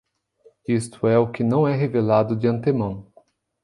Isto é o que não é revelado de antemão.